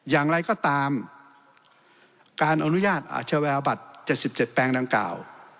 อย่างไรก็ตามการอนุญาตอาชาแวบัติเจ็ดสิบเจ็ดแปลงดังเก่า